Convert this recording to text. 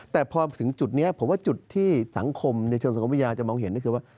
แต่พอถึงจุดนี้ผมว่าจุดที่สังคมในเชิงสังคมวิทยาจะมองเห็นก็คือว่า